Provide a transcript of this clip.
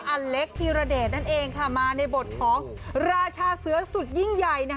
อเล็กธีรเดชนั่นเองค่ะมาในบทของราชาเสือสุดยิ่งใหญ่